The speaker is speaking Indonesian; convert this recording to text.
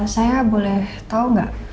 saya boleh tau gak